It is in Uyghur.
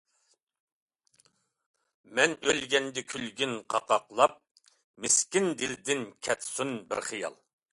مەن ئۆلگەندە كۈلگىن قاقاقلاپ، مىسكىن دىلدىن كەتسۇن بىر خىيال.